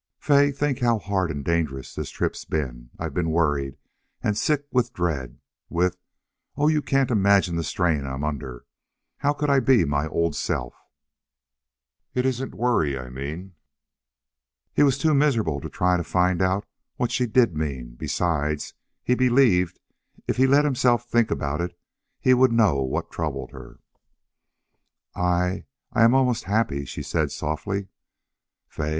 "Fay, think how hard and dangerous the trip's been! I've been worried and sick with dread with Oh, you can't imagine the strain I'm under! How could I be my old self?" "It isn't worry I mean." He was too miserable to try to find out what she did mean; besides, he believed, if he let himself think about it, he would know what troubled her. "I I am almost happy," she said, softly. "Fay!...